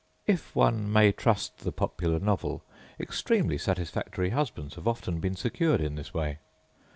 If one may trust the popular novel, extremely satisfactory husbands have often been secured in this way.